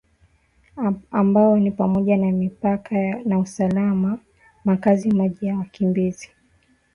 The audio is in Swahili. ambao ni pamoja na mipaka na usalama makazi maji na wakimbizi